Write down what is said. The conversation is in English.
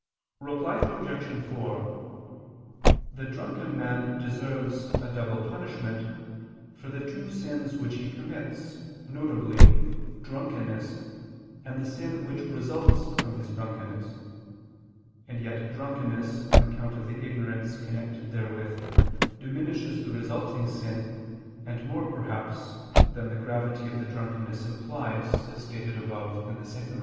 Reply Obj. 4: The drunken man deserves a "double punishment" for the two sins which he commits, viz. drunkenness, and the sin which results from his drunkenness: and yet drunkenness, on account of the ignorance connected therewith, diminishes the resulting sin, and more, perhaps, than the gravity of the drunkenness implies, as stated above (ad 2).